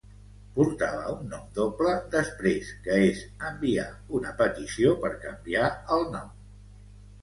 Portava un nom doble després que es enviar una petició per canviar el nom.